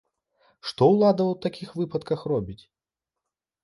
Што ўлада ў такіх выпадках робіць?